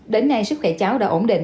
đến nay sức khỏe cháu đã ổn định